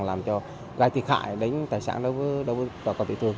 làm cho gai thiệt hại đến tài sản đối với bà con tiểu thương